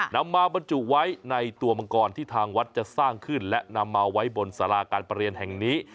นำมาบรรจุไว้ในตัวมังกรที่ทางวัดจะสร้างขึ้นและนำมาไว้บนสาราการประเรียนแห่งนี้